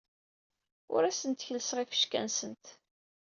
Ur asent-kellseɣ ifecka-nsent.